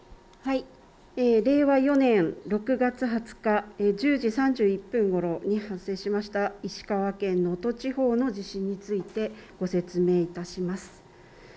令和４年６月２０日１０時３１分ごろに発生した石川県能登地方の地震についてご説明いたします。